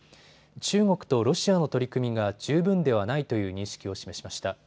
中国とロシアの取り組みが十分ではないという認識を示しました。